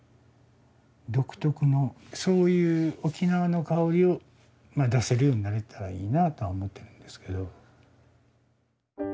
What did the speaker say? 独特のそういう沖縄のかおりを出せるようになれたらいいなとは思ってるんですけど。